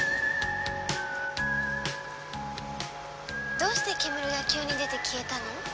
どうして煙が急に出て消えたの？